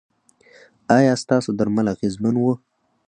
ایا ستاسو درمل اغیزمن وو؟